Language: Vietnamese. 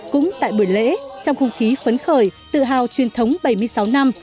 cũng tại buổi lễ trong không khí phấn khởi tự hào truyền thống bảy mươi sáu năm